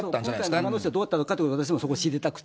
今回、長野市はどう言ったのかということを私もそこ知りたくて。